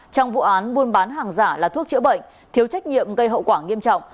trong vụ án buôn bán hàng giả là thuốc chữa bệnh thiếu trách nhiệm gây hậu quả nghiêm trọng